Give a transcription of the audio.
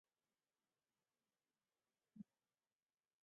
梁玉绳认为他可能是虢石父之子。